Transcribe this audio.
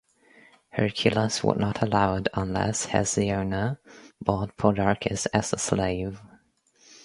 Hercules would not allow it unless Hesione bought Podarces as a slave.